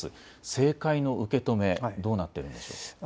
政界の受け止め、どうなっているのでしょうか。